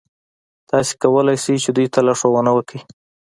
تاسې کولای شئ چې دوی ته لارښوونه وکړئ.